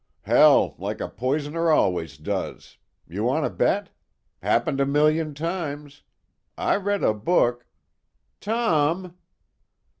"Hell, like a poisoner always does! You want to bet? Happened a million times. I read a book " "Tom!"